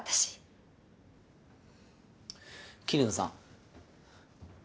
桐野さん